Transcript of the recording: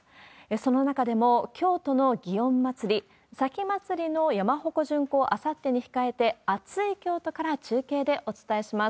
その中でも、京都の祇園祭、前祭の山鉾巡行をあさってに控えて、暑い京都から中継でお伝えします。